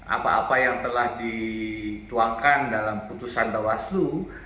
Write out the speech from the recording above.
apa apa yang telah dituangkan dalam putusan bawaslu